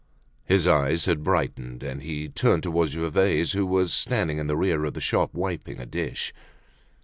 His eyes had brightened and he turned towards Gervaise who was standing in the rear of the shop wiping a dish.